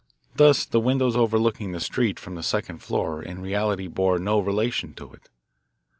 Thus the windows overlooking the street from the second floor in reality bore no relation to it.